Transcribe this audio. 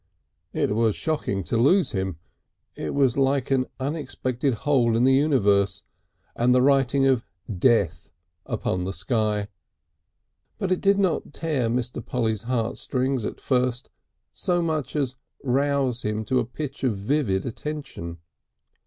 It was shocking to lose him; it was like an unexpected hole in the universe, and the writing of "Death" upon the sky, but it did not tear Mr. Polly's heartstrings at first so much as rouse him to a pitch of vivid attention.